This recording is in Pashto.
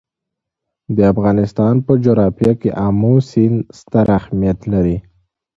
د افغانستان په جغرافیه کې آمو سیند ستر اهمیت لري.